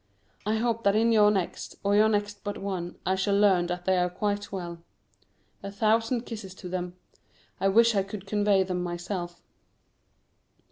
I hope that in your next, or your next but one, I shall learn that they are quite well. A thousand kisses to them. I wish I could convey them myself.